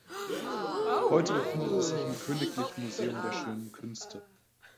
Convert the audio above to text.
Heute befindet es sich im königlichen Museum der Schönen Künste.